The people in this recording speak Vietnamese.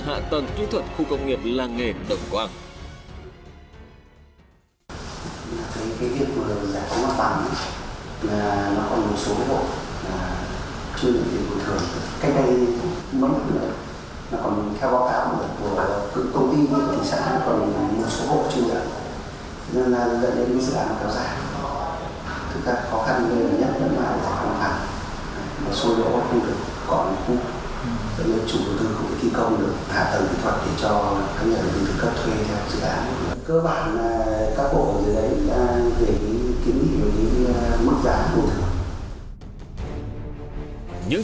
hạ tầng kỹ thuật khu công nghiệp làng nghề đậu quảng